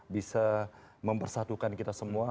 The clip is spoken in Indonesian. bisa mempersatukan kita semua